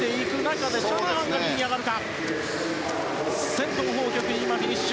先頭、ホウ・キョクイフィニッシュ。